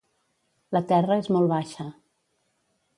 La terra és molt baixa.